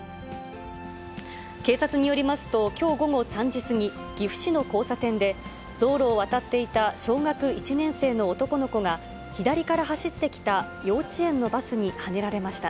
警察によりますと、きょう午後３時過ぎ、岐阜市の交差点で、道路を渡っていた小学１年生の男の子が、左から走ってきた幼稚園のバスにはねられました。